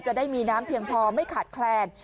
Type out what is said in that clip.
จะได้มีน้ำเพียงพอไม่ขาดแคลน